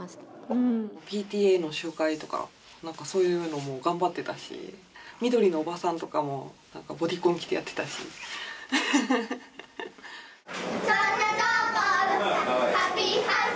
うんＰＴＡの集会とか何かそういうのも頑張ってたし緑のおばさんとかもボディコン着てやってたしそんな所さハッピーハウス